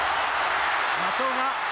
松尾が。